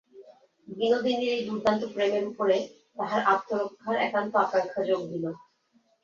বিনোদিনীর এই দুর্দান্ত প্রেমের উপরে তাহার আত্মরক্ষার একান্ত আকাঙ্ক্ষা যোগ দিল।